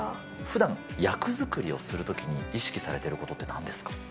ふだん、役作りをするときに意識されてることってなんですか？